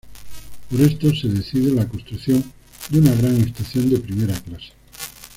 Por esto se decide la construcción de una "gran estación de primera clase".